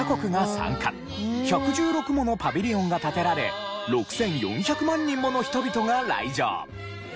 １１６ものパビリオンが建てられ６４００万人もの人々が来場。